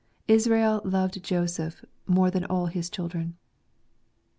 " Israel loved Joseph more than all his children.